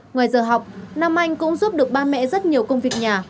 ngoài giờ học nam anh cũng giúp được ba mẹ rất nhiều công việc nhà